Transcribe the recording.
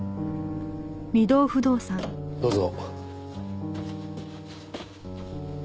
どうぞ。